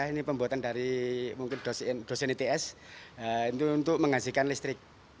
ini pembuatan dari dosen its untuk menghasilkan listrik